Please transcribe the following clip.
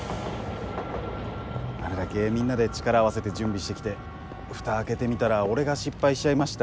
あれだけみんなで力合わせて準備してきて蓋開けてみたら「俺が失敗しちゃいました」